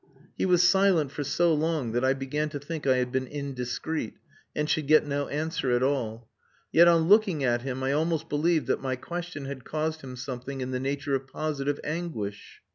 He was silent for so long that I began to think I had been indiscreet, and should get no answer at all. Yet on looking at him I almost believed that my question had caused him something in the nature of positive anguish.